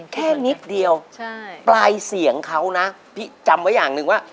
แค่นิดเดียวใช่ปลายเสียงเขานะพี่จำไว้อย่างหนึ่งว่า